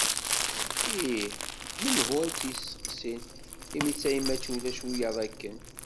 Ih, menhu ara tt-yesteqsin, imi tayemmat ulac wiyyaḍ akken.